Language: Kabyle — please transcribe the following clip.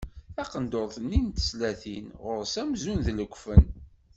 Taqendurt-nni n teslatin ɣur-s amzun d lekfen.